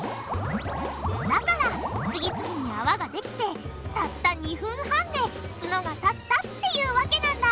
だから次々に泡ができてたった２分半でツノが立ったっていうわけなんだ！